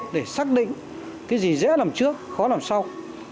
để xác định cái gì dễ làm trước khó làm sau